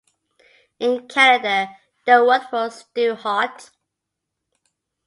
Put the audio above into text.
In Canada, they worked for Stu Hart.